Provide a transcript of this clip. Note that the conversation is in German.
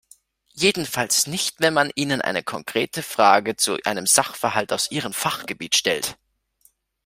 Jedenfalls nicht, wenn man ihnen eine konkrete Frage zu einem Sachverhalt aus ihrem Fachgebiet stellt.